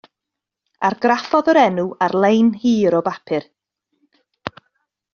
Argraffodd yr enw ar lain hir o bapur.